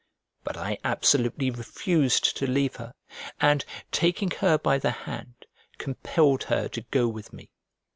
But I absolutely refused to leave her, and, taking her by the hand, compelled her to go with me.